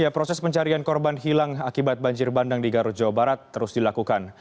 proses pencarian korban hilang akibat banjir bandang di garut jawa barat terus dilakukan